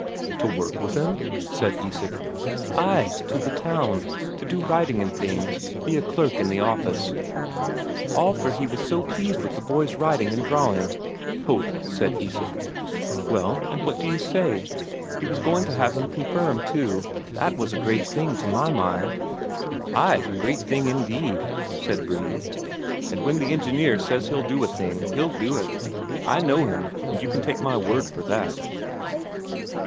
"To work with him?" said Isak. "Ay, to the town. To do writing and things, be a clerk in the office all for he was so pleased with the boy's writing and drawing." "Ho!" said Isak. "Well, and what do you say? He was going to have him confirmed too. That was a great thing, to my mind." "Ay, a great thing indeed," said Brede. "And when the engineer says he'll do a thing, he'll do it. I know him, and you can take my word for that."